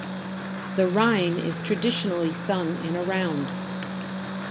The rhyme is traditionally sung in a round.